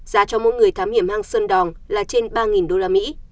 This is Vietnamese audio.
giá cho mỗi người thám hiểm hang sơn đỏng là trên ba usd